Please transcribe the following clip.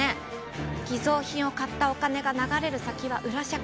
偽造品を買ったお金が流れる先は裏社会。